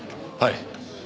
はい。